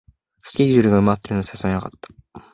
スケジュールが埋まってるので誘えなかった